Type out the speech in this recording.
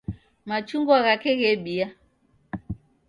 Machungwa ghake ghebia